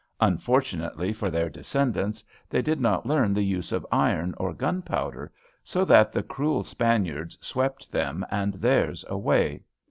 Unfortunately for their descendants, they did not learn the use of iron or gunpowder, so that the cruel Spaniards swept them and theirs away.